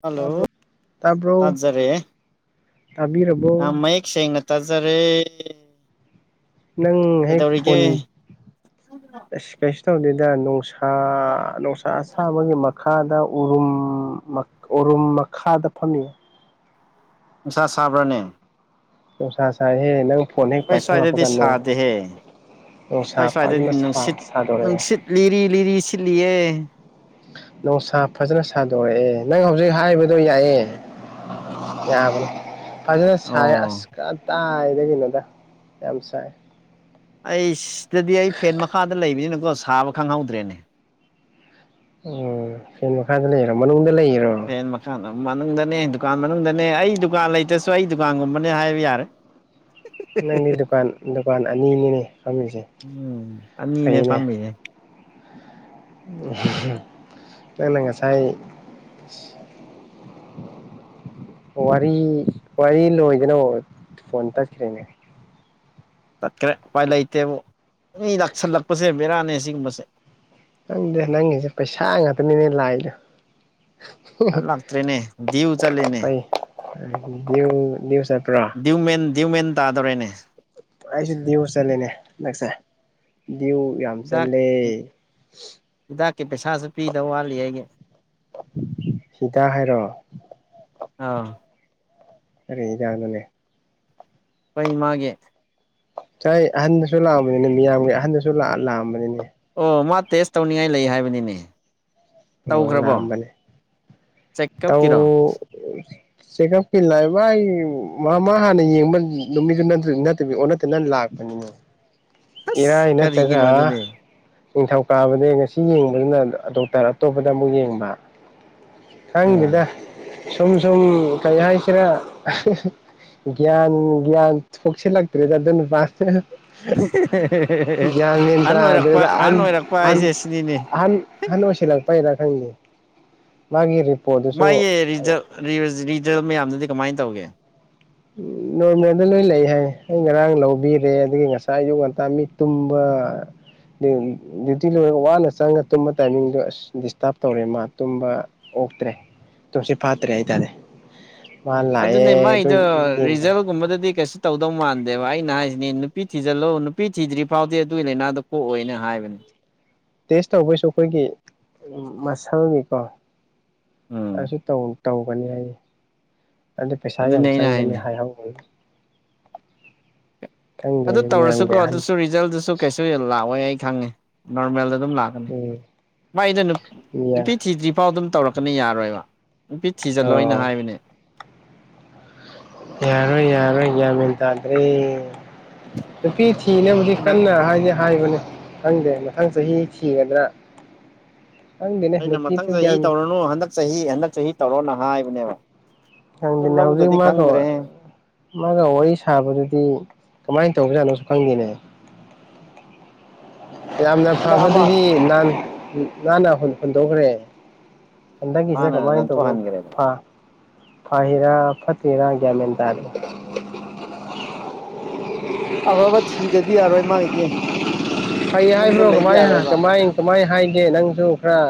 hello ꯇꯥꯔꯕ꯭ꯔꯣ ꯇꯥꯖꯔꯦ ꯇꯥꯕꯤꯔꯕꯕꯣ ꯇꯖꯔꯦ ꯅꯪ ꯍꯦꯛ ꯐꯣꯟ ꯁꯤ ꯀꯥꯏꯁꯤ ꯇꯧꯗꯦꯗ ꯅꯣꯡ ꯅꯨꯡꯁꯥ ꯑꯁꯥꯕꯒꯤ ꯃꯈꯥꯗ ꯎꯔꯨꯝ ꯎꯔꯨꯝ ꯃꯈꯥꯗ ꯐꯝꯃꯤꯌꯦ ꯅꯨꯡꯁꯥ ꯁꯥꯕ꯭ꯔꯥꯅꯦ ꯇꯁ ꯁ ꯍꯦ ꯑꯩꯣꯏ ꯁ꯭ꯋꯥꯏꯗꯗꯤ ꯁꯥꯗꯦꯍꯦ ꯁꯥꯏ ꯅꯨꯡꯁꯥ ꯁ꯭ꯋꯥꯏꯗꯗꯤ ꯐꯖꯅ ꯅꯨꯡꯁꯤꯠ ꯁꯥꯗꯣꯔꯛꯑꯦ ꯅꯨꯡꯁꯤꯠ ꯂꯤꯔꯤ ꯂꯤꯔꯤ ꯁꯤꯠꯂꯤꯌꯦ ꯅꯨꯡꯁꯥ ꯐꯖꯅ ꯁꯥꯗꯣꯔꯛꯑꯦ ꯅꯪ ꯍꯧꯖꯤꯛ ꯍꯥꯏꯕꯗꯣ ꯌꯥꯏꯌꯦꯦ ꯌꯥꯕ ꯐꯖꯅ ꯑꯣ ꯁꯥꯏ ꯑꯁ ꯀꯇꯥꯏꯗꯒꯤꯅꯣꯗ ꯌꯥꯝ ꯁꯥꯏ ꯑꯩ ꯁꯤꯗꯗꯤ ꯑꯩ ꯐꯦꯟ ꯃꯈꯥꯗ ꯂꯩꯕꯅꯤꯅꯀꯣ ꯁꯥꯕ ꯈꯪꯍꯧꯗ꯭ꯔꯦꯅꯦ ꯎꯝ ꯐ ꯈꯥꯖ ꯂꯩꯔꯝꯗ ꯐꯟ ꯃꯀꯥꯅ ꯃꯅꯨꯡꯗꯅꯦ ꯗꯨꯀꯥꯟ ꯃꯅꯨꯡꯗꯅꯦ ꯑꯩ ꯗꯨꯀꯥꯟ ꯂꯩꯇ꯭ꯔꯁꯨ ꯑꯩ ꯗꯨꯀꯥꯟꯒꯨꯝꯕꯅꯦ ꯍꯥꯏꯕ ꯌꯥꯔꯦ ꯅꯪꯗꯤ ꯗꯨꯀꯥꯟ ꯗꯨꯀꯥꯟ ꯑꯅꯤꯅꯤꯅꯦ ꯐꯝꯃꯤꯁꯦ ꯑ ꯃꯤꯅꯦ ꯄꯥꯝꯃꯤꯅꯦ ꯎ ꯂꯅ ꯉꯁꯥꯏ [unintelligible] ꯋꯥꯔꯤ ꯂꯣꯏꯗꯅ ꯐꯣꯟ ꯇꯥꯈ꯭ꯔꯦꯅꯦ ꯆꯠꯈ꯭ꯔꯦ ꯎꯄꯥꯏ ꯂꯩꯇꯦꯕꯨ ꯃꯤ ꯂꯥꯛꯁꯜꯂꯛꯄꯁꯦ ꯕꯦꯔꯥꯅꯦ ꯁꯤꯒꯨꯝꯕꯁꯦ ꯅꯪꯗ ꯅꯪꯉꯁꯦ ꯄꯩꯁꯥ ꯉꯥꯛꯇꯅꯤꯅꯦ ꯂꯥꯛꯑꯂ ꯆꯠ ꯂꯥꯛꯇ꯭ꯔꯦꯅꯦ ꯗꯤꯎ ꯆꯠꯂꯦꯅꯦ ꯅꯅꯤꯌꯨꯁꯄ꯭ꯔꯥ ꯗꯤꯌ ꯃꯦꯟ ꯇꯥꯗꯣꯔꯦꯅꯦ ꯑꯩꯁꯨꯗꯤꯎꯁ ꯆꯂꯦꯅꯦ ꯂꯥꯛꯁ ꯌꯥꯝꯁꯟꯂꯦ ꯀ ꯄꯩꯁꯥꯁꯨ ꯄꯤꯗ ꯋꯥꯂꯤ ꯍꯥꯏꯒꯦ ꯁꯤꯤꯗ ꯍꯥꯏꯔꯣꯑꯣ ꯑꯥ ꯑꯗꯨꯗꯥ ꯅꯅꯦ ꯑꯩ ꯃꯥꯒꯦ ꯁꯥꯏ ꯑꯍꯟꯗꯁꯨ ꯂꯥꯛꯑꯝꯕꯅꯤꯅ ꯃꯤꯌꯥꯝꯒꯤ ꯑꯍꯟꯗꯁꯨ ꯂꯥꯛꯑꯝꯕꯅꯤꯅ ꯑꯣ ꯃꯥ ꯇꯦꯁ ꯇꯧꯅꯤꯡꯉꯥꯏ ꯂꯩ ꯍꯥꯏꯕꯅꯤꯅꯦ ꯑꯣ ꯂ ꯇꯧꯈ꯭ꯔꯕꯣ ꯃꯅꯤ ꯇꯥꯎ ꯆꯦꯛꯀꯞꯀꯤꯔꯣ ꯁꯤꯀꯞ ꯄꯤ ꯃꯥꯥꯏ ꯃꯥꯃ ꯍꯥꯟꯅ ꯌꯦꯡꯕ ꯅꯨꯃꯤꯗꯨ ꯅ ꯅꯠꯇꯕꯤ ꯑꯣ ꯅꯠꯇꯅ ꯂꯥꯛꯄꯅꯤꯅꯦ ꯑꯁ ꯏꯔꯥꯏꯩꯅ ꯇꯒ ꯀꯔꯤꯒꯤꯅꯣ ꯑꯗꯨꯗꯤ ꯅꯤꯡꯊꯧꯀꯥꯕꯅꯦ ꯉꯁꯤ ꯌꯦꯡꯕꯗꯨꯅ ꯗꯣꯛꯇꯔ ꯑꯇꯣꯞꯄꯗ ꯑꯃꯨꯛ ꯌꯦꯡꯕ ꯑꯥ ꯈꯪꯈꯤꯦꯗ ꯁꯨꯝ ꯁꯨꯝ ꯀꯩ ꯍꯥꯏꯁꯤꯔꯥ ꯭ꯌꯥꯟ ꯭ꯌꯥꯟ ꯄꯁꯤ ꯂꯥꯛꯇ ꯆ ꯑꯗꯨ ꯌꯥ ꯑꯍꯟ ꯅꯟ꯭ꯔ ꯑꯗꯨꯟ ꯑꯣꯏꯔꯛꯄ ꯑꯍꯟ ꯑꯣꯏꯔꯛꯄ ꯍꯥꯏꯁꯦ ꯁꯤꯅꯤꯅꯦ ꯍꯟꯅ ꯑꯁꯤ ꯂꯥꯛꯄ ꯃꯥ ꯃꯥꯒꯤ ꯔꯤꯖꯜ ꯃꯌꯥꯝꯗꯨꯗꯤ ꯀꯃꯥꯏꯅ ꯇꯧꯒꯦ ꯎ ꯅꯣꯔꯃꯦꯜꯗ ꯂꯣꯏ ꯂꯩ ꯍꯥꯏ ꯑꯩ ꯉꯔꯥꯡ ꯂꯧꯕꯤꯔꯦ ꯑꯗꯒꯤ ꯉꯁꯥꯏ ꯑꯌꯨꯛ ꯉꯟꯇꯥ ꯃꯤ ꯇꯨꯝꯕ ꯑ ꯗ꯭ꯌꯨꯇꯤ ꯂꯣꯏꯔꯒ ꯋꯥꯅ ꯆꯪꯉ ꯇꯨꯝꯕ ꯇꯥꯏꯃꯤꯡꯗꯨꯣ ꯑꯁ ꯗꯤꯁꯇꯥꯔꯕ ꯇꯧꯔꯦ ꯃꯥ ꯇꯨꯝꯕ ꯀꯇ꯭ꯔꯦ ꯇꯣꯁꯤ ꯐꯥꯠꯇ꯭ꯔꯦ ꯍꯥꯏꯇꯥꯔꯦ ꯃꯥ ꯂꯥꯛꯑꯦ ꯑꯗꯨꯅꯦ ꯑꯗꯨ ꯃꯥꯏꯗꯣ ꯌꯦꯡꯈ꯭ꯔꯦ ꯔꯤꯖꯜꯒꯨꯝꯕꯗꯗꯤ ꯀꯩꯁꯨ ꯇꯧꯗꯧ ꯃꯥꯟꯗꯦ ꯗꯦꯚ ꯑꯩꯅ ꯍꯥꯏꯁꯤꯅꯦ ꯅꯨꯄꯤ ꯊꯤꯖꯤꯜꯂꯣ ꯅꯨꯄꯤ ꯊꯤꯗ꯭ꯔꯤ ꯐꯥꯎꯗꯤ ꯑꯗꯨꯒꯤ ꯂꯥꯏꯅꯥꯗ ꯀꯣꯛꯑꯣꯏꯅ ꯍꯥꯏꯕꯅꯦ ꯇꯦꯁ ꯇꯧꯕꯩꯁꯨ ꯑꯩꯈꯣꯏꯒꯤ ꯃꯁꯜꯒꯤꯀꯣ ꯎꯝ ꯑꯁꯤ ꯇꯧꯒꯅꯤ ꯍꯥꯏꯌꯦ ꯑꯗꯨ ꯄꯩꯁꯥ ꯌꯥꯝ ꯑꯗꯨꯅꯦ ꯑꯩꯅ ꯆꯪꯒꯅꯤ ꯍꯥꯏꯅꯦ ꯍꯥꯏꯍꯧꯕꯅꯤ ꯑꯗꯨ ꯈꯪꯗꯦꯅꯦ ꯃꯤꯌꯥꯝꯒꯤ ꯇꯧꯔꯁꯨꯀꯣ ꯑꯗꯨꯁꯨ ꯑꯍꯟꯁꯦ ꯔꯤꯖꯜꯗꯨꯁꯨ ꯀꯩꯁꯨ ꯂꯥꯛꯑꯣꯏ ꯑꯩ ꯈꯪꯉꯦ ꯅꯣꯔꯃꯦꯜꯗ ꯑꯗꯨꯝ ꯂꯥꯛꯀꯅꯤ ꯎꯝ ꯃꯥꯥꯏꯗ ꯅꯨꯄꯤ ꯊꯤꯗ꯭ꯔꯤ ꯐꯥꯎ ꯑꯗꯨꯝ ꯇꯧꯔꯛꯀꯅꯤ ꯌꯥꯔꯣꯏꯕ ꯅꯨꯄꯤ ꯊꯤꯖꯤꯜꯂꯣ ꯑꯩꯅ ꯑꯣ ꯍꯥꯏꯕꯅꯦ ꯌꯥꯔꯣ ꯌꯥꯔꯣ ꯍꯒꯕꯗꯗ꯭ꯔꯦ ꯅꯨꯄꯤ ꯊꯤꯅꯕꯨꯗꯤ ꯅꯨꯄꯤꯗꯨꯅ ꯀꯟꯅ ꯍꯥꯏꯁꯦ ꯍꯥꯏꯕꯅꯦ ꯈꯪꯗꯦ ꯃꯊꯪ ꯆꯍꯤ ꯊꯤꯒꯗ꯭ꯔ ꯑꯩꯅ ꯃꯊꯪ ꯆꯍꯤ ꯇꯧꯔꯅꯨ ꯍꯟꯗꯛ ꯆꯍꯤ ꯍꯟꯗꯛ ꯆꯍꯤ ꯇꯧꯔꯣꯅ ꯍꯥꯏꯕꯅꯦꯕ ꯑꯗꯨ ꯑꯪꯗꯅ ꯍꯧꯖꯤꯛ ꯂꯧꯗꯗꯤ ꯃꯥ ꯀꯧꯕ ꯈꯪꯗ꯭ꯔꯦꯍꯦ ꯃꯥꯒ ꯋꯥꯔꯤ ꯁꯥꯕꯗꯨꯗꯤ ꯀꯃꯥꯏꯅ ꯇꯧꯕꯖꯥꯠꯅꯣꯁꯨ ꯈꯪꯗꯦꯅꯦ ꯌꯥꯝꯅ ꯍꯟꯗꯛ ꯑꯃ ꯐꯕꯗꯨꯗꯤꯥꯟ ꯟꯅ ꯍꯣꯟꯗꯣꯛꯈ꯭ꯔꯦ ꯍꯟꯗꯛꯀꯤꯁꯤꯗ ꯃꯥꯅ ꯀꯃꯥꯏꯅ ꯇꯧꯕꯅꯣ ꯅꯟꯊꯣꯛꯍꯟꯈ꯭ꯔꯦꯕ ꯐ ꯐꯥꯍꯤꯔ ꯐꯇꯍꯤꯔꯒ ꯃꯦꯟ ꯇꯥꯔ ꯑꯐꯕ ꯊꯤꯗꯗꯤ ꯌꯥꯔꯣꯏ ꯃꯥꯡꯒꯤꯗꯤ ꯐꯩ ꯍꯥꯏꯕ꯭ꯔꯣ ꯀꯃꯥꯏ ꯀꯃꯥꯏ ꯀꯃꯥꯏ ꯍꯥꯏꯒꯦ ꯅꯪꯁꯨ ꯈꯔ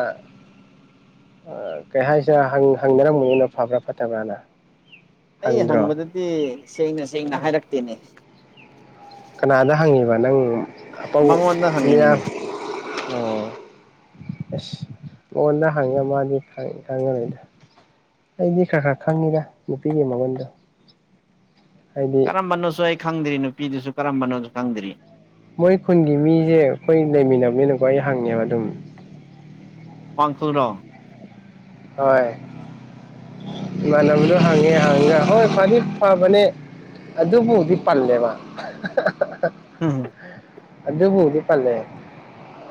ꯀꯩ ꯍꯥꯏꯁꯤꯦ ꯍꯪꯅꯔꯝꯃꯅꯤꯅ ꯐꯕ꯭ꯔꯥ ꯐꯠꯇꯕ꯭ꯔꯥꯅ ꯑꯩ ꯍꯪꯗ꯭ꯔꯣ ꯍꯪꯕꯗꯗꯤ ꯁꯦꯡꯅ ꯁꯦꯡꯅ ꯍꯥꯏꯔꯛꯇꯦꯅꯦ ꯀꯅꯥꯗ ꯍꯪꯉꯤꯕ ꯅꯪ ꯑꯄꯥ ꯃꯉꯣꯟꯗ ꯃ ꯍꯪꯉꯤꯅꯤꯅꯦ ꯑꯣ ꯑꯁ ꯃꯉꯣꯟꯗ ꯍꯪꯉ ꯃꯥꯅꯤ ꯈꯪꯉꯅꯤꯗ ꯑꯩꯗꯤ ꯈꯔ ꯈꯔ ꯈꯪꯉꯤꯔ ꯅꯨꯄꯤꯒꯤ ꯃꯒꯨꯟꯗꯣ ꯍꯥꯏꯗꯤ ꯀꯔꯝꯕꯅꯣꯁꯨ ꯑꯩ ꯈꯪꯗ꯭ꯔꯤ ꯅꯨꯄꯤꯗꯨꯁꯨ ꯀꯔꯝꯕꯅꯣꯁꯨ ꯈꯪꯗ꯭ꯔꯤ ꯃꯣꯏ ꯈꯨꯟꯒꯤ ꯃꯤꯁꯦ ꯑꯩꯈꯣꯏ ꯂꯩꯃꯤꯟꯅꯕꯅꯤꯅꯀꯣ ꯑꯩ ꯍꯪꯉꯦꯕ ꯑꯗꯨꯝ ꯄ ꯆ꯭ꯔ ꯍꯣꯏ ꯃꯅꯝꯗꯨꯣ ꯍꯪꯉꯦ ꯍꯪꯉꯦ ꯍꯣꯏ ꯐꯗꯤ ꯐꯕꯅꯦ ꯑꯗꯨ ꯑꯗꯨ ꯃꯕꯨꯗꯤ ꯄꯜꯂꯦꯕ ꯍꯝ ꯑꯗꯨꯗ ꯍꯕꯨꯗꯤ ꯄꯂꯦ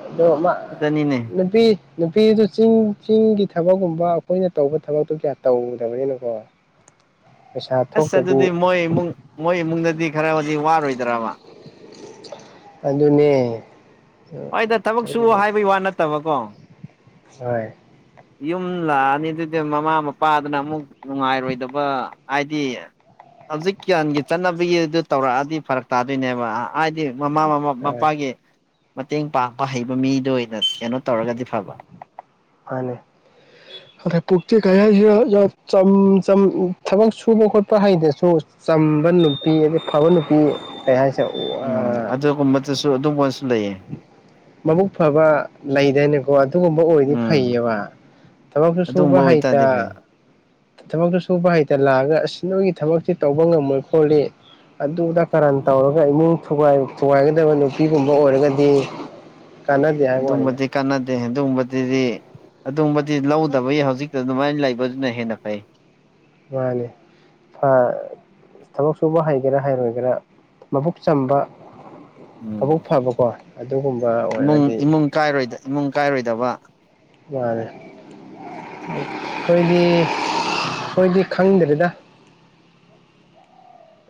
ꯑꯗꯣ ꯑꯗꯨꯗꯅꯤꯅꯦ ꯅꯨꯄꯤ ꯅꯨꯄꯤꯗꯨ ꯆꯤꯡ ꯆꯤꯡꯒꯤ ꯊꯕꯛꯀꯨꯝꯕ ꯑꯩꯈꯣꯏꯅ ꯇꯧꯕ ꯊꯕꯛꯇꯣ ꯀꯌꯥ ꯇꯧꯒꯗꯕꯅꯤꯅꯀꯣ [unintelligible] ꯑꯁ ꯑꯗꯨꯗꯤ ꯃꯣꯏ ꯏꯃꯨꯡ ꯃꯣꯏ ꯏꯃꯨꯡꯗꯗꯤ ꯈꯔ ꯍꯧꯖꯤꯛ ꯋꯥꯔꯣꯏꯗ꯭ꯔꯕ ꯑꯗꯨꯅꯦ ꯍꯣꯏꯗ ꯊꯕꯛ ꯁꯨ ꯍꯥꯏꯕꯒꯤ ꯋꯥ ꯅꯠꯇꯕꯀꯣ ꯍ ꯌꯨꯝ ꯂꯥꯛꯑꯅꯤ ꯑꯗꯨꯗꯤ ꯃꯃꯥ ꯃꯄꯥꯗꯨꯅ ꯑꯃꯨꯛ ꯅꯨꯡꯉꯥꯏꯔꯣꯏꯗꯕ ꯍꯥꯏꯗꯤ ꯍꯧꯖꯤꯛ ꯭ꯌꯥꯟꯒꯤ ꯆꯠꯅꯕꯒꯤꯗꯨ ꯇꯧꯔꯛꯑꯗꯤ ꯐꯔꯛ ꯇꯥꯗꯣꯏꯅꯦꯕ ꯍꯥꯏꯗꯤ ꯃꯃꯥ ꯃ ꯍꯣꯏ ꯃꯄꯥꯒꯤ ꯃꯇꯦꯡ ꯄꯥꯡꯕ ꯍꯩꯕ ꯃꯤꯗ ꯑꯣꯏꯅ ꯀꯩꯅꯣ ꯇꯧꯔꯒꯗꯤ ꯐꯕ ꯃꯥꯅꯦ ꯑꯗꯩ ꯄꯨꯆꯤ ꯀꯩꯁꯨ ꯊꯕꯛ ꯁꯨꯕ ꯈꯣꯠꯄ ꯍꯩꯗ꯭ꯔꯁꯨ ꯆꯝꯕ ꯅꯨꯄꯤ ꯑꯗꯩ ꯐꯕ ꯅꯨꯄꯤ ꯀꯩ ꯍꯥꯏꯁꯦ ꯎꯝ ꯑꯗꯨꯒꯨꯝꯕꯗꯨꯁꯨ ꯑꯗꯨꯝꯕꯁꯨ ꯂꯩꯌꯦ ꯃꯕꯨꯛ ꯐꯕ ꯂꯩꯗꯅꯦꯕ ꯑꯗꯨꯒꯨꯝꯕ ꯑꯣꯏꯗꯤ ꯎꯝ ꯐꯩꯌꯦꯕ ꯊꯕꯛꯁꯨ ꯁꯨꯕ ꯑꯗꯨꯒꯨꯝꯕ ꯑꯣꯏꯇꯥꯔꯗꯤ ꯐꯩ ꯍꯩꯇ ꯊꯕꯛꯇꯨ ꯁꯨꯕ ꯍꯩꯇ ꯂꯥꯛꯑꯒ ꯑꯁꯤꯁ ꯅꯣꯏꯒꯤ ꯊꯕꯛꯁꯤ ꯇꯧꯕ ꯉꯝꯃꯣꯏ ꯈꯣꯠꯂꯤ ꯑꯗꯨꯗ ꯀꯔꯟ ꯇꯧꯔꯒ ꯏꯃꯨꯡ ꯊꯨꯒꯥꯏꯒꯗꯕ ꯅꯨꯄꯤꯒꯨꯝꯕ ꯑꯣꯏꯔꯒꯗꯤ ꯀꯟꯅꯗꯤ ꯍꯥꯏ ꯋꯥꯅꯤꯅ ꯑꯗꯨꯒꯨꯝꯕꯗꯗꯤ ꯑꯗꯨꯕꯗꯤ ꯂꯧꯗꯕꯒꯤ ꯍꯧꯖꯤꯛꯇ ꯑꯗꯨꯃꯥꯏꯅ ꯂꯩꯕꯗꯨꯅ ꯍꯦꯟꯅ ꯐꯩ ꯃꯥꯅꯦ ꯐ ꯊꯕꯛ ꯁꯨꯕ ꯍꯩꯒꯦꯔꯥ ꯍꯩꯔꯣꯏꯒꯦꯔꯥ ꯃꯕꯨꯛ ꯆꯝꯕ ꯎꯝ ꯃꯕꯨꯛ ꯐꯕꯀꯣ ꯑꯗꯨꯒꯨꯝꯕ ꯏꯃꯨꯡ ꯑꯣꯏꯔꯒꯗꯤ ꯏꯃꯨꯡ ꯀꯥꯏꯔꯣꯏꯗ ꯏꯃꯨꯡ ꯀꯥꯏꯔꯣꯏꯗꯕ ꯃꯥꯅꯦ ꯑꯩꯈꯣꯏꯗꯤ ꯑꯩꯈꯣꯏꯗꯤ ꯈꯪꯗ꯭ꯔꯦꯗ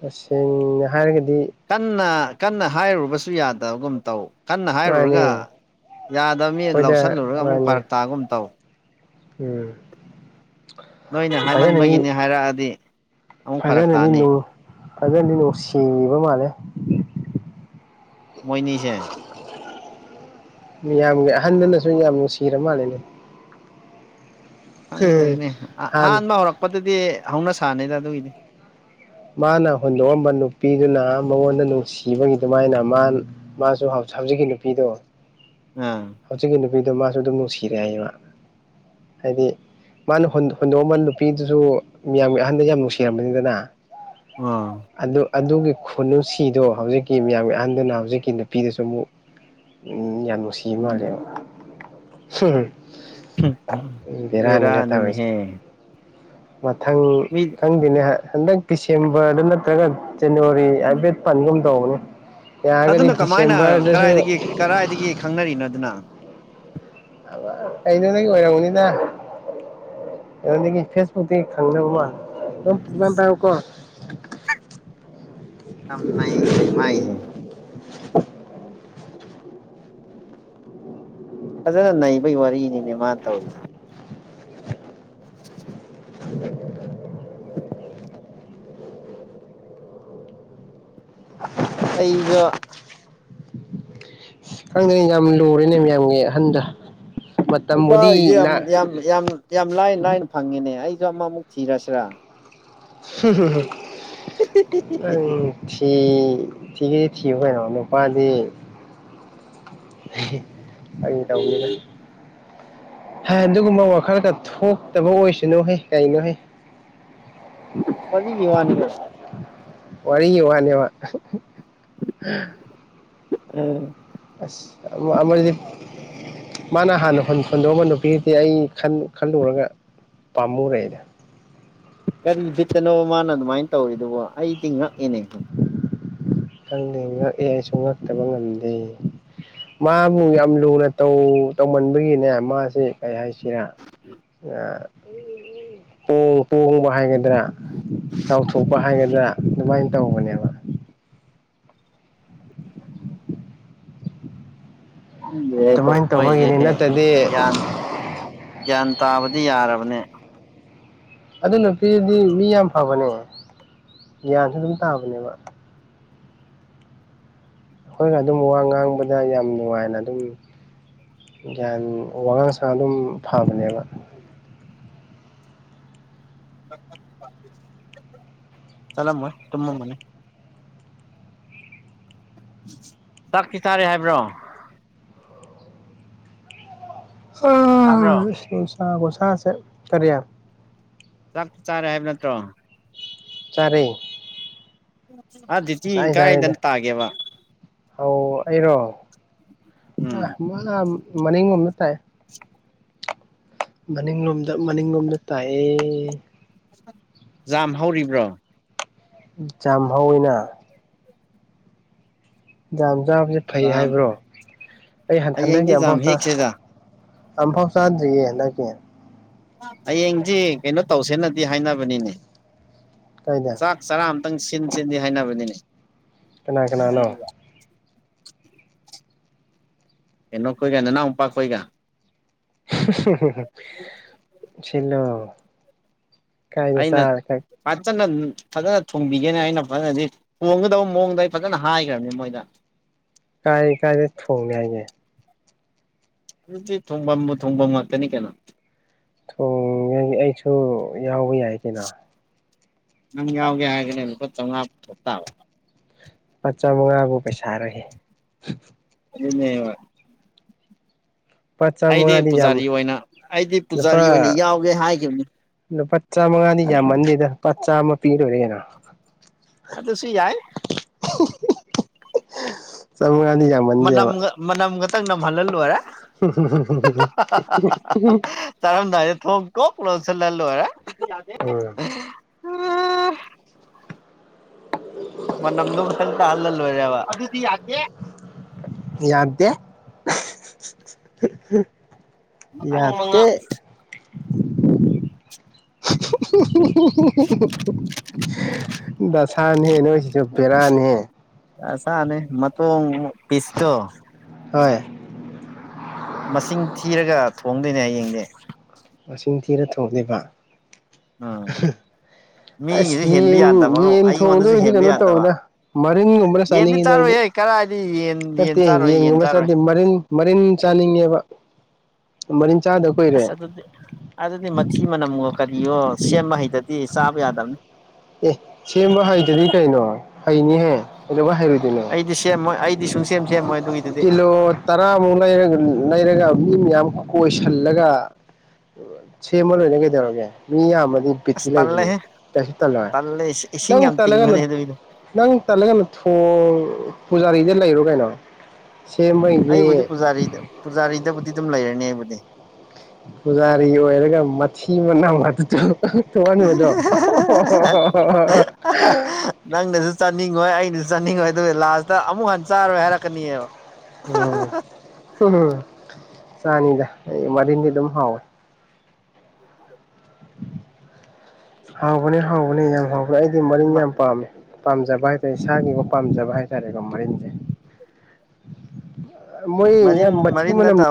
ꯇꯁꯦꯡꯅ ꯍꯥꯏꯔꯒꯗꯤ ꯀꯟꯅ ꯀꯟꯅ ꯍꯥꯏꯔꯨꯕꯁꯨ ꯌꯥꯗꯕꯒꯨꯝ ꯇꯧ ꯀꯟꯅ ꯃꯥꯅꯦ ꯍꯥꯏꯔꯨꯔꯒ ꯌꯥꯗꯕ ꯃꯤꯅ ꯑꯩꯈꯣꯏꯗ ꯂꯧꯁꯤꯜꯂꯨꯔꯒ ꯑꯃꯨꯛ ꯃꯥꯅꯦ ꯐꯔꯛ ꯇꯥꯒꯨꯝ ꯇꯧ ꯎꯝ ꯅꯣꯏꯅꯦ ꯐꯖꯅꯗꯤ ꯍꯥꯏꯃꯟꯕꯒꯤꯅꯤ ꯍꯥꯏꯔꯛꯑꯗꯤ ꯑꯃꯨꯛ ꯐꯔꯛ ꯐꯖꯅꯗꯤ ꯅ ꯇꯥꯅꯤ ꯐꯖꯅꯗꯤ ꯅꯨꯡꯁꯤꯕꯤꯕ ꯃꯥꯜꯂꯦ ꯃꯣꯏꯅꯤꯁꯦ ꯃꯤꯌꯥꯝꯒꯤ ꯑꯍꯟꯗꯅꯁꯨ ꯌꯥꯝ ꯅꯨꯡꯁꯤꯔ ꯃꯥꯜꯂꯦꯅꯦ ꯈꯪꯗ꯭ꯔꯔꯤꯅꯦ ꯍꯥꯟ ꯑꯍꯥꯟꯕ ꯍꯧꯔꯛꯄꯗꯗꯤ ꯍꯧꯅ ꯁꯥꯥꯟꯅꯩꯗ ꯑꯗꯨꯒꯤꯗꯤ ꯃꯥꯅ ꯍꯨꯟꯗꯣꯛꯑꯝꯕ ꯅꯨꯄꯤꯗꯨꯅ ꯃꯉꯣꯟꯗ ꯅꯨꯡꯁꯤꯕꯒꯤ ꯑꯗꯨꯃꯥꯏꯅ ꯃꯥ ꯃꯥꯁꯨ ꯍꯧꯖꯤꯛꯀꯤ ꯅꯨꯄꯤꯗꯣ ꯑꯥ ꯍꯧꯖꯤꯛꯀꯤ ꯅꯨꯄꯤꯗꯣ ꯃꯥꯁꯨ ꯑꯗꯨꯝ ꯅꯨꯡꯁꯤꯔꯦ ꯍꯥꯏꯌꯦ ꯃꯥ ꯍꯥꯏꯗꯤ ꯃꯥꯅ ꯍꯨꯟꯗꯣꯛꯑꯃꯟ ꯅꯨꯄꯤꯗꯨꯁꯨ ꯃꯤꯌꯥꯝꯒꯤ ꯑꯍꯟꯗ ꯌꯥꯝ ꯅꯨꯡꯁꯤꯔꯝꯕꯅꯤꯗꯅ ꯑꯥ ꯑꯗꯨ ꯑꯗꯨꯒꯤ ꯈꯨꯅꯨꯡꯁꯤꯗꯣ ꯍꯧꯖꯤꯛꯀꯤ ꯃꯤꯌꯥꯝꯒꯤ ꯑꯍꯟꯗꯨꯅ ꯍꯧꯖꯤꯛꯀꯤ ꯅꯨꯄꯤꯗꯁꯨ ꯑꯃꯨꯛ ꯎꯝ ꯌꯥꯝ ꯅꯨꯡꯁꯤꯕ ꯃꯥꯜꯂꯦ ꯕꯦꯔꯥꯅꯤꯅꯦ ꯇꯧꯔꯤꯁꯦ ꯍꯦ ꯃꯊꯪ ꯈꯪꯗꯅꯦ ꯍꯟꯗꯛ ꯗꯤꯁꯦꯝꯕꯔꯗ ꯅꯠꯇ꯭ꯔꯒ ꯖꯅꯋꯥꯔꯤ ꯍꯥꯏꯐꯦꯠ ꯄꯟꯒꯨꯝ ꯇꯧꯕꯅꯤ ꯑꯗꯨꯅ ꯀꯃꯥꯏꯅ ꯀꯔꯥꯏꯗꯒꯤ ꯀꯗꯥꯥꯏꯗꯒꯤ ꯈꯪꯅꯔꯤꯅꯣ ꯑꯗꯨꯅ ꯑꯩꯩꯅ ꯅꯪ ꯑꯣꯏꯔꯝꯒꯅꯤꯗ ꯀꯩꯅꯣꯗꯒꯤ ꯐꯦꯁꯕꯨꯛꯇꯒꯤ ꯈꯪꯅꯕ ꯃꯥꯜꯂꯦꯑꯗꯨ ꯇꯥꯏꯀꯣ [inaudible] ꯌꯥꯝ ꯅꯩꯅꯤ ꯃꯥꯥꯏꯁꯦ ꯐꯖꯅ ꯅꯩꯕꯩ ꯋꯥꯔꯤꯅꯤꯅꯦ ꯃꯥ ꯇꯧꯔꯤ [inaudible] [inaudible] [inaudible] ꯑꯩꯁꯨ ꯈꯪꯗꯦ ꯌꯥꯝ ꯂꯨꯔꯦꯅꯦ ꯃꯌꯥꯝꯒꯤ ꯑꯍꯟꯗ ꯅꯨꯄꯥ ꯒꯤꯁꯦ ꯌꯥꯝ ꯌꯥꯝ ꯌꯥꯝ ꯌꯥꯝ ꯂꯥꯏꯅ ꯂꯥꯏꯅ ꯐꯪꯉꯤꯅꯦ ꯑꯩꯁꯨ ꯑꯃꯃꯨꯛ ꯊꯤꯔꯁꯤꯔꯥ ꯅꯪ ꯊꯤ ꯊꯤꯒꯤꯗꯤ ꯊꯤꯌꯨ ꯀꯩꯅꯣ ꯅꯨꯄꯥꯗꯤ ꯐꯒꯤ ꯇꯧꯅꯤꯗ ꯍꯥꯏ ꯑꯗꯨꯒꯨꯝꯕ ꯋꯥꯈꯜꯒ ꯊꯣꯛꯇꯕ ꯑꯣꯏꯁꯅꯨ ꯍꯦ ꯀꯩꯅꯣ ꯍꯦ ꯋꯥꯔꯤꯒꯤ ꯋꯥꯅꯤꯒ ꯋꯥꯔꯤꯒꯤ ꯋꯥꯅꯦꯕ ꯎꯝ ꯑꯁ ꯑꯃꯗꯤꯗꯤ ꯃꯥꯅ ꯍꯥꯟꯅ ꯍꯨꯟꯗꯣꯛꯑꯃꯕ ꯅꯨꯄꯤꯗꯨꯗꯤ ꯑꯩ ꯈꯜꯂꯨꯔꯒ ꯄꯥꯝꯃꯨꯔꯦꯗ ꯀꯔꯤ ꯕꯤꯠꯇꯅꯣ ꯃꯥꯅ ꯑꯗꯨꯃꯥꯏꯅ ꯇꯧꯔꯤꯗꯨꯕ ꯑꯩꯗꯤ ꯉꯛꯏꯅꯦ ꯈꯪꯗꯦ ꯉꯛꯑꯦ ꯑꯩꯁꯨ ꯉꯛꯇꯕ ꯉꯝꯗꯦ ꯃꯥꯕꯨ ꯌꯥꯝ ꯂꯨꯅ ꯇꯧꯃꯟꯕꯒꯤꯅꯦ ꯃꯥꯁꯦ ꯀꯩ ꯍꯥꯏꯁꯤ ꯏꯆꯔꯥ ꯇꯣꯡ ꯇꯣꯡꯣꯡꯕ ꯍꯥꯏꯥꯏꯒꯗꯔꯥ ꯆꯥꯎꯊꯣꯛꯄ ꯍꯥꯏꯒꯗ꯭ꯔꯥ ꯑꯗꯨꯃꯥꯏꯅ ꯇꯧꯕꯅꯦꯕ ꯑꯗꯨꯃꯥꯏꯅ ꯇꯧꯕꯒꯤꯅꯤ ꯅꯠꯇꯗꯤ ꯑꯣꯏꯣꯏꯁ ꯟ ꯟ ꯇꯥꯕꯗꯤ ꯌꯥꯔꯕꯅꯦ ꯑꯗꯨ ꯅꯨꯄꯤꯗꯨꯗꯤ ꯃꯤ ꯌꯥꯝ ꯐꯕꯅꯦ ꯒ꯭ꯌꯥꯟꯁꯨ ꯑꯗꯨꯝ ꯇꯥꯕꯅꯦꯕ ꯑꯩꯈꯣꯏꯅ ꯑꯗꯨꯝ ꯋꯥ ꯉꯥꯡꯕꯗ ꯌꯥꯝ ꯅꯨꯡꯉꯥꯏꯅ ꯑꯗꯨꯝ ꯒ꯭ꯌꯥꯟ ꯋꯥꯉꯥꯡ ꯁ ꯑꯗꯨꯝ ꯐꯕꯅꯦꯕ ꯆꯂꯃ ꯇꯨꯝꯃ ꯃꯅꯤ ꯆꯠꯈꯤ ꯆꯥꯔꯤꯦ ꯍꯥꯏꯕ꯭ꯔꯣ ꯇꯥꯕ꯭ꯔꯣ ꯎꯣꯁꯥ ꯒꯁꯥꯥꯁꯦꯠ ꯀꯔꯤꯌꯥ ꯆꯥꯛ ꯆꯥꯔꯦ ꯍꯥꯏꯕ ꯅꯠꯇ꯭ꯔꯣ ꯆꯔꯦ ꯑ ꯑꯗꯨꯗꯤꯤ ꯀꯥꯏꯗꯅ ꯇꯥꯒꯦꯕ ꯍꯧ ꯑꯩꯔꯣ ꯑ ꯎꯝ ꯃꯥ ꯃꯅꯤꯡꯒꯣꯝꯅ ꯇꯥꯏ ꯃꯅꯤꯡꯂꯣꯝꯗ ꯃꯅꯤꯡꯂꯣꯝꯗ ꯇꯥꯏꯌꯦ ꯌꯥꯝꯖꯥꯝ ꯍꯧꯔꯤꯕ꯭ꯔꯣ ꯆꯝꯍꯧꯅ ꯌꯥꯝ ꯆꯥꯕꯁꯦ ꯐꯩ ꯖꯥꯝ ꯍꯥꯏꯕ꯭ꯔꯣ ꯑꯩ ꯍꯟꯗꯛꯀꯤ ꯍꯌꯦꯡꯗꯤ ꯖꯥꯝ ꯑꯃꯐꯥꯎ ꯆ ꯍꯦꯛꯁꯦꯗ ꯑꯝꯐꯥꯎ ꯆꯥꯟꯗꯔꯤꯌꯦ ꯅ ꯀꯦ ꯍꯌꯦꯡꯗꯤ ꯀꯩꯅꯣ ꯇꯧꯁꯦꯅꯗꯤ ꯍꯥꯏꯅꯕꯅꯤꯅꯦ ꯀꯥꯏꯗ ꯆꯥꯛ ꯆꯔꯥ ꯑꯇꯪ ꯁꯤꯟ ꯁꯤꯟꯗꯤ ꯍꯥꯏꯅꯕꯅꯤꯅꯦ ꯀꯅꯥ ꯀꯅꯥꯅꯣ ꯀꯩꯅꯣ ꯑꯦꯩꯅꯣ ꯀꯣꯏꯒꯅꯤꯅꯥ ꯑꯣꯄꯥꯛꯈꯣꯏꯒ ꯁꯤꯂꯣ ꯑꯩꯅ ꯄꯆꯟꯅ ꯐꯖꯅ ꯊꯣꯡꯕꯤꯒꯦꯅꯦ ꯑꯩꯅ ꯐꯖꯅꯗꯤ ꯊꯣꯡꯒꯗꯕ ꯃꯑꯣꯡꯗ ꯑꯩ ꯐꯖꯅ ꯍꯥꯏꯈ꯭ꯔꯕꯅꯤ ꯃꯣꯏꯗ ꯀꯥꯏ ꯀꯥꯏꯗ ꯊꯣꯡꯅꯤ ꯍꯥꯏꯒꯦ ꯑꯗꯨꯗꯤ ꯊꯣꯡꯐꯝꯕꯨ ꯊꯣꯡꯐꯝ ꯉꯥꯛꯇꯅꯤ ꯀꯩꯅꯣ ꯊꯣꯡꯉꯦ ꯑꯩꯁꯨ ꯌꯥꯎꯕ ꯌꯥꯏ ꯀꯅ ꯅꯪ ꯌꯥꯎꯒꯦ ꯍꯥꯏꯒꯅꯦ ꯂꯨꯄꯥ ꯆꯥꯃꯉꯥ ꯇꯥꯕ ꯄꯆ ꯃꯉꯥꯕꯨ ꯄꯩꯁꯥꯔꯦ ꯑꯗꯨꯕ ꯂꯨꯄꯥ ꯆꯥ ꯃꯉꯥꯗꯤ ꯄꯨꯖꯥꯔꯤ ꯌꯥꯝꯃꯦ ꯑꯣꯏꯅ ꯑꯩꯗꯤ ꯂꯨꯄꯥ ꯄꯨꯖꯥꯔꯤ ꯑꯣꯏꯅ ꯌꯥꯎꯒꯦ ꯍꯥꯏꯈꯤꯕꯅꯤ ꯂꯨꯄꯥ ꯆꯥꯝꯃꯉꯥꯗꯤ ꯌꯥꯝꯃꯟꯗꯦꯗ ꯄꯄꯥ ꯆꯥꯝꯃ ꯄꯤꯔꯣꯏꯔꯦ ꯀꯩꯅꯣ ꯑꯠꯇ ꯁꯤꯨ ꯌꯥꯏ ꯆꯨꯒꯤ ꯌꯥꯝ ꯃꯟꯗꯦꯕ ꯈꯤꯇꯪ ꯅꯝꯍꯜꯍꯜꯂꯣꯏꯔꯦ ꯆꯥꯔꯝꯗꯥꯏꯗ ꯊꯣꯡ ꯀꯣ ꯄꯂꯜꯁꯜ ꯂꯜ ꯂꯣ ꯍꯔꯥ ꯎꯝ ꯑꯝ ꯃ ꯅꯝꯗꯣ ꯆꯪ ꯇ ꯍꯜꯂꯜ ꯂꯣꯔꯦ ꯑꯗꯨ ꯌꯥꯗꯗꯦ ꯑꯃꯉ [unintelligible] ꯗꯁꯥꯅꯍꯦ ꯅꯣꯏꯁꯤꯁꯨ ꯕꯦꯔꯥꯅꯤꯍꯦ ꯑꯁꯥꯅꯦ ꯃ ꯇꯣ ꯄꯤꯁꯇꯣ ꯍꯣꯏ ꯃꯁꯤꯡ ꯊꯤꯔꯒ ꯊꯣꯡꯗꯣꯏꯅꯦ ꯍꯌꯦꯡꯅꯦ ꯃꯁꯤꯡ ꯊꯤꯅ ꯊꯣꯛꯂꯤꯕ ꯎꯝ ꯃꯤꯒꯤꯁꯨ ꯍꯦꯟꯕ ꯌꯦꯟ ꯌꯥꯗꯕꯣ ꯌꯦꯟ ꯑꯩꯉꯣꯟꯗꯁꯨ ꯊꯣꯡꯗꯣꯏꯗꯤ ꯍꯦꯟꯕ ꯀꯩꯅꯣ ꯌꯥꯗꯕ ꯇꯧꯋꯦꯗ ꯃꯔꯤꯟꯒꯨꯝꯕꯅ ꯌꯦꯟꯗꯤ ꯆꯥꯅꯤꯡꯉꯤꯗ ꯆꯥꯔꯨ ꯑꯩꯗꯤ ꯀꯔ ꯍꯥꯏꯗꯤ ꯅꯠꯇꯦ ꯌꯦꯟꯒꯨꯝꯕ ꯆꯠꯇꯦ ꯃꯔꯤꯟ ꯃꯔꯤꯟ ꯆꯥꯅꯤꯡꯉꯦꯕ ꯃꯔꯤꯟ ꯆꯥꯗ ꯀꯨꯏꯔꯦ ꯑꯁ ꯑ ꯑꯗꯨꯗꯦ ꯑꯗꯨ ꯅꯗꯤ ꯃꯁꯤꯤꯃꯅꯝꯒ ꯀꯔꯤꯌꯣ ꯁꯦꯝꯕ ꯍꯩꯗꯗꯤ ꯆꯥꯕ ꯌꯥꯗꯕꯅꯤ ꯑꯦ ꯁꯦꯝꯕ ꯍꯩꯗꯨꯅꯤ ꯀꯩꯅꯣ ꯍꯩꯅꯤꯍꯦ ꯂ ꯍꯥꯏꯩꯔꯨꯗꯣꯏꯅꯦ ꯑꯩꯗꯤ ꯁꯦꯝꯃꯣꯏ ꯑꯩꯗꯤ ꯁꯨꯡꯁꯦꯝ ꯁꯦꯝꯃꯣꯏ ꯑꯗꯨꯒꯤꯗꯨꯗꯤ ꯀꯤꯂꯣ ꯇꯔꯥꯃꯨꯛ ꯂꯩ ꯂꯩꯔꯒ ꯃꯤ ꯃꯌꯥꯝ ꯀꯣꯏꯁꯤꯜꯂꯒ ꯁꯦꯝꯃ ꯂꯣꯏꯅ ꯀꯩꯗꯧꯔꯒꯦ ꯃꯤ ꯌꯥꯝꯌꯥꯝꯕ ꯕꯇꯤ ꯑꯁ ꯂꯩꯥꯏꯕꯨꯅ ꯇꯜꯂꯦꯍꯦ ꯇꯜꯂꯦ ꯏꯁꯤꯡ ꯅꯪ ꯌꯥꯝ ꯇꯒ ꯇꯤꯡꯕꯅꯦ ꯑꯗꯨꯒꯤꯗꯣ ꯅꯪ ꯇꯒꯅ ꯊ ꯄꯥ ꯔꯤꯖꯦꯟ ꯂ ꯂꯩꯔꯣ ꯀꯥꯏꯅꯣ ꯑꯩꯕꯨꯗꯤ ꯄꯨꯖꯥꯔꯤꯗ ꯄꯨꯖꯥꯔꯤꯗꯕꯨꯗꯤ ꯑꯗꯨꯝ ꯂꯩꯔꯅꯤ ꯑꯩꯕꯨꯗꯤ ꯄꯨꯖꯥꯔꯤ ꯑꯣꯏꯔꯒ ꯃꯊꯤ ꯃꯅꯥꯝ ꯑꯗꯨꯗ ꯊꯋꯥꯅꯤ ꯃꯗꯣ ꯆꯠꯅꯤꯡꯉꯣꯏ ꯑꯩꯅꯁꯨ ꯆꯠꯅꯤꯡꯉꯣꯏ ꯑꯗꯨꯒ ꯂꯥꯁꯇ ꯑꯃꯨꯛ ꯍ ꯆꯥꯋ ꯍꯦꯔꯛ ꯀꯅꯤ ꯎꯝ ꯆꯥꯅꯤꯗ ꯃꯔꯤꯟꯗꯤ ꯑꯗꯨꯝ ꯍꯥꯎꯋꯦ ꯍꯥꯎꯕꯅꯦ ꯍꯥꯎꯕꯅꯦ ꯌꯥꯝ ꯍꯥꯎꯕ꯭ꯔ ꯑꯩꯗꯤ ꯃꯔꯤꯟ ꯌꯥꯝ ꯄꯥꯝꯃꯦ ꯄꯥꯝꯖꯕ ꯍꯥꯏꯇꯥꯔꯦ ꯏꯁꯥꯒꯤꯕꯨ ꯄꯥꯝꯖꯕ ꯍꯥꯏꯇꯥꯔꯦꯀꯣ ꯃꯔꯤꯡꯁꯦ ꯃꯣꯏ ꯃꯔꯤꯟ ꯃꯀꯤ ꯃꯔꯤꯟ ꯃꯅꯝ ꯅꯠꯇꯕ